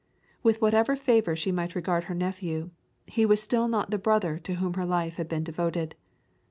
With whatever favour she might regard her nephew, he was still not the brother to whom her life had been devoted.